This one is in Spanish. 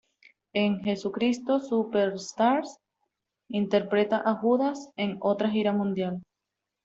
En "Jesucristo Superstar" interpreta a Judas en otra gira mundial.